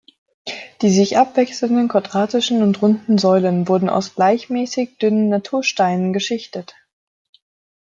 Die sich abwechselnden quadratischen und runden Säulen wurden aus gleichmäßig dünnen Natursteinen geschichtet.